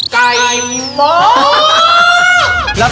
ไกลมาก